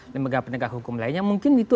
lembaga penegak hukum lainnya mungkin itu